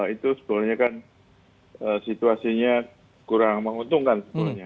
dua ribu dua puluh itu sebenarnya kan situasinya kurang menguntungkan